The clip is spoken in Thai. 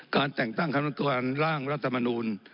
การแต่งตั้งคณะการร่างรัฐมนูล